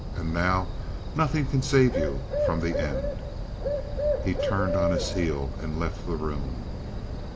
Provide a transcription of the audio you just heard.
And now nothing can save you from the end." He turned on his heel and left the room.